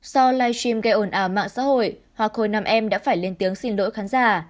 sau livestream gây ồn ào mạng xã hội hoa khôi nam em đã phải lên tiếng xin lỗi khán giả